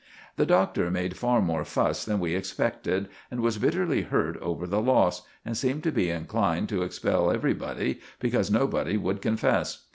The Doctor made far more fuss than we expected, and was bitterly hurt over the loss, and seemed to be inclined to expel everybody, because nobody would confess.